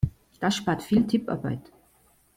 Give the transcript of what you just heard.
Das spart viel Tipparbeit.